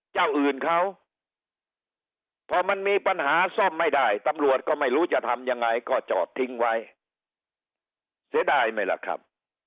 เจ้าอื่นเขาพอมันมีปัญหาซ่อมไม่ได้ตำรวจก็ไม่รู้จะทำยังไงก็จอดทิ้งไว้เสียดายไหมล่ะครับ